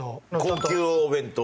高級お弁当を。